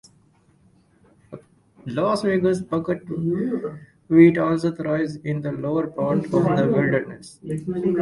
Las Vegas buckwheat also thrives in the lower parts of the wilderness.